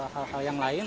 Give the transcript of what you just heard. hal hal yang lain